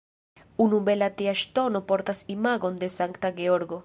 Unu bela tia ŝtono portas imagon de Sankta Georgo.